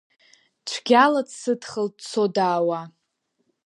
Цәгьала дсыдхалт дцодаауа…